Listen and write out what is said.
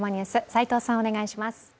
齋藤さん、お願いします。